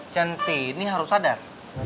centini harus sadar